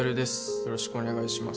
よろしくお願いします